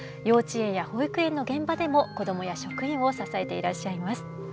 幼稚園や保育園の現場でも子どもや職員を支えていらっしゃいます。